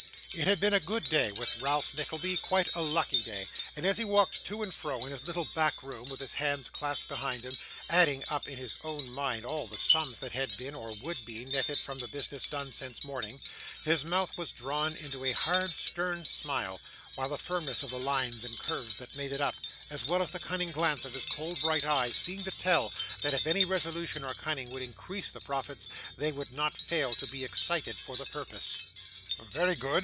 It had been a good day with Ralph Nickleby quite a lucky day; and as he walked to and fro in his little back room with his hands clasped behind him, adding up in his own mind all the sums that had been, or would be, netted from the business done since morning, his mouth was drawn into a hard stern smile; while the firmness of the lines and curves that made it up, as well as the cunning glance of his cold, bright eye, seemed to tell, that if any resolution or cunning would increase the profits, they would not fail to be excited for the purpose. 'Very good!